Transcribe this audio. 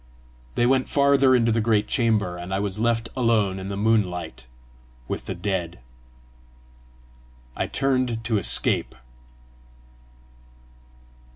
They went farther into the great chamber, and I was left alone in the moonlight with the dead. I turned to escape.